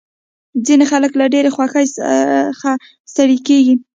ځینې خلک له ډېرې خوږې څخه ستړي کېږي.